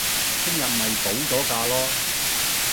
聽日咪補咗日假囉